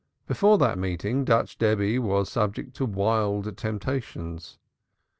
Before that meeting Dutch Debby was subject to wild temptations.